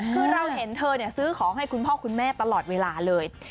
คือเราเห็นเธอซื้อของให้คุณพ่อคุณแม่ตลอดเวลาเลย